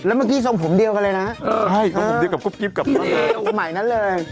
แล้วเมื่อกี้สองผมเดียวกันเลยนะเออเออพี่เดียวหมายนั้นเลย